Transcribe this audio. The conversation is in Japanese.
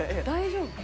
大丈夫？」